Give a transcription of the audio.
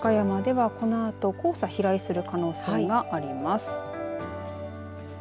ただ、この和歌山ではこのあと黄砂飛来する可能性があります。